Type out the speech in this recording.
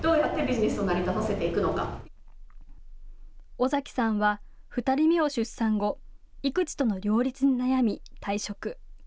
尾崎さんは２人目を出産後、育児との両立に悩み退職。